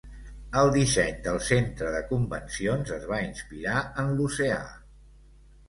El disseny del Centre de Convencions es va inspirar en l'oceà.